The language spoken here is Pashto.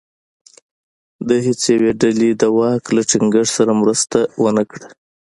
د هېڅ یوې ډلې دواک له ټینګښت سره مرسته ونه کړه.